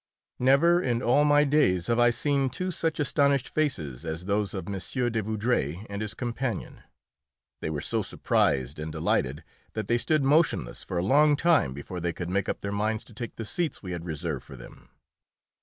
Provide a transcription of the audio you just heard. Never in all my days have I seen two such astonished faces as those of M. de Vaudreuil and his companion. They were so surprised and delighted that they stood motionless for a long time before they could make up their minds to take the seats we had reserved for them.